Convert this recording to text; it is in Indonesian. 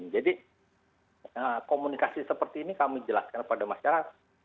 jadi komunikasi seperti ini kami jelaskan kepada masyarakat